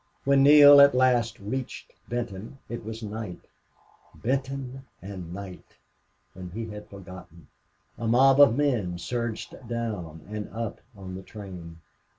When Neale at last reached Benton it was night. Benton and night! And he had forgotten. A mob of men surged down and up on the train.